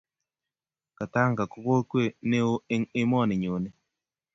Katanga ko kokwee ne oo eng emoni nyone.